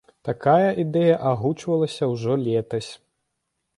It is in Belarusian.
Такая ідэя агучвалася ўжо летась.